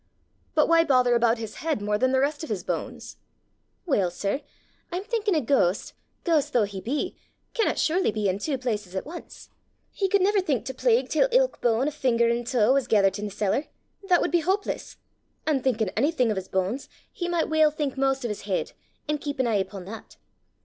"But why bother about his heid more than the rist of his bones?" "Weel, sir, I'm thinking a ghaist, ghaist though he be, canna surely be i' twa places at ance. He could never think to plague til ilk bane o' finger an' tae was gethert i' the cellar! That wud be houpless! An' thinkin' onything o' his banes, he micht weel think maist o' 's heid, an' keep an e'e upo' that.